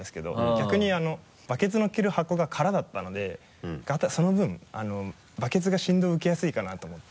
逆にバケツ乗っける箱がカラだったのでその分バケツが振動を受けやすいかなと思って。